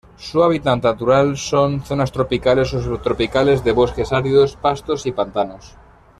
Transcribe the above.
Su hábitat natural son: zonas tropicales o subtropicales, de bosques áridos, pastos y pantanos.